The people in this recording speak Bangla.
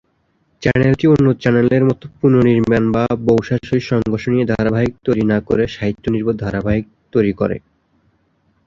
চ্যানেলটি অন্য চ্যানেলের মত পুনঃনির্মাণ বা বউ-শাশুড়ির সংঘর্ষ নিয়ে ধারাবাহিক তৈরি না করে সাহিত্য নির্ভর ধারাবাহিক তৈরি করে।